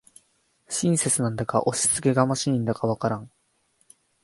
親切なんだか押しつけがましいんだかわからん